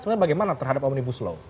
sebenarnya bagaimana terhadap omnibus law